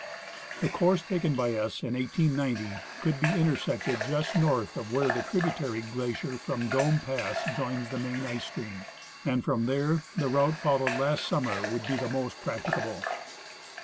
The course taken by us in 1890 could be intersected just north of where the tributary glacier from Dome pass joins the main ice stream ; and from there the route followed last summer would be the most practicable.